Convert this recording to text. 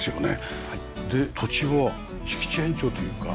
で土地は敷地延長というか。